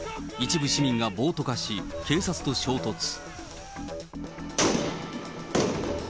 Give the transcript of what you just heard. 一部市民が暴徒化し、警察と衝突。